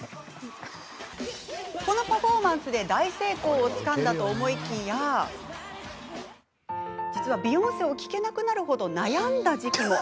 このパフォーマンスで大成功をつかんだと思いきやビヨンセを聴けなくなる程悩んだ時期も。